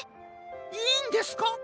いいんですか？